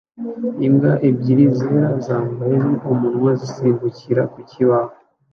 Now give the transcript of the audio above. Imbwa ebyiri zera zambaye umunwa zisimbukira ku kibaho